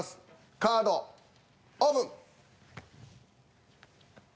カードオープン！